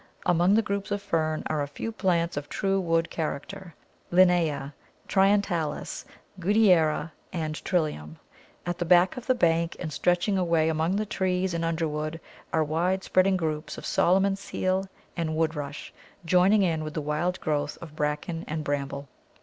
Among the groups of Fern are a few plants of true wood character Linnæa, Trientalis, Goodyera, and Trillium. At the back of the bank, and stretching away among the trees and underwood, are wide spreading groups of Solomon's seal and Wood rush, joining in with the wild growth of Bracken and Bramble.